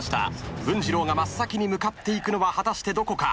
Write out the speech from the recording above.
文治郎が真っ先に向かっていくのは果たしてどこか？